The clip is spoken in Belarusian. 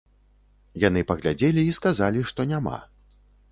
Яны паглядзелі і сказалі, што няма.